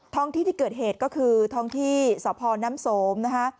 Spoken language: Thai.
ท้องที่ที่เกิดเหตุก็คือท้องที่สพน้ำสมนะคะ